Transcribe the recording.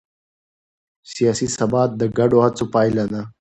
سیاسي ثبات د ګډو هڅو پایله ده